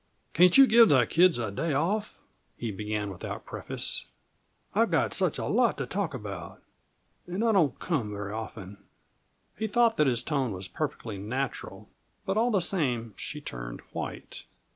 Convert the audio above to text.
"Can't you give the kids a day off?" he began, without preface. "I've got such a lot to talk about and I don't come very often." He thought that his tone was perfectly natural; but all the same she turned white.